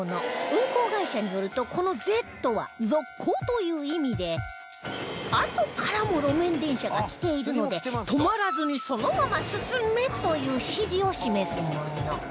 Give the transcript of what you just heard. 運行会社によるとこの「Ｚ」は「続行」という意味であとからも路面電車が来ているので「止まらずにそのまま進め」という指示を示すもの